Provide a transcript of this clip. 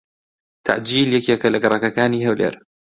تەعجیل یەکێکە لە گەڕەکەکانی هەولێر.